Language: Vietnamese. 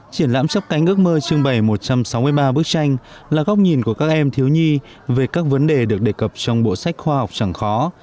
triển lãm chấp cánh ước mơ trưng bày một trăm sáu mươi ba bức tranh là góc nhìn của các em thiếu nhi về các vấn đề được đề cập trong bộ sách khoa học chẳng khó